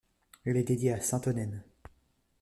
Elle est dédiée à sainte Onenne.